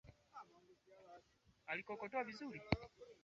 ngamoto inayo tukabili kwa sasa